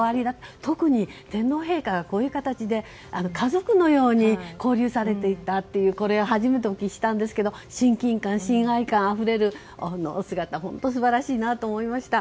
特に天皇陛下がこういう形で家族のように交流されていたというこれは初めてお聞きしましたが親近感、親愛感あふれるお姿は素晴らしいと思いました。